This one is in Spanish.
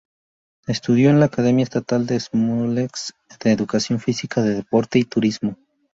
Estudió en la Academia Estatal de Smolensk de Educación Física, Deporte y Turismo.